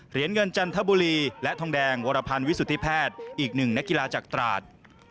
เหรียญเงินจันทบุรีและทองแดงวรพันธ์วิสุทธิแพทย์อีกหนึ่งนักกีฬาจากตราด